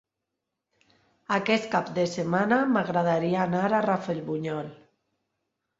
Aquest cap de setmana m'agradaria anar a Rafelbunyol.